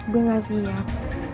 gue gak siap